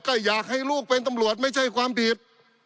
ก็อยากให้ลูกเป็นตำรวจไม่ใช่ความผิด